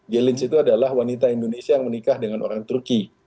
gelins itu adalah wanita indonesia yang menikah dengan orang turki